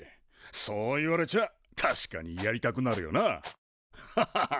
そう言われちゃあ確かにやりたくなるよなハハハハッ。